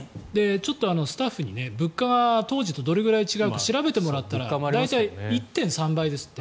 ちょっとスタッフに物価が当時とどれくらい違うか調べてもらったら大体１．３倍ですって。